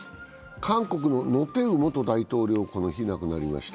韓国のノ・テウ元大統領、この日亡くなりました。